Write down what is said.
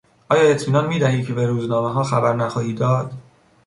آیا اطمینان میدهی که به روزنامهها خبر نخواهی داد؟